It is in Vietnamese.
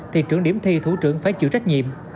thì trưởng điểm thi thủ trưởng phải chịu trách nhiệm